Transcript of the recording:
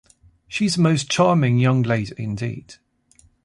She is a most charming young lady indeed.